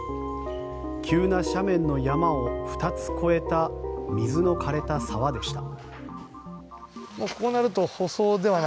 急な斜面の山を２つ越えた水の枯れた沢でした。